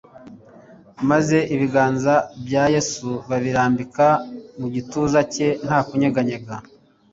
maze ibiganza bya Yesu babirambika mu gituza cye nta kunyeganyega.